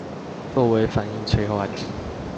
作為反應催化劑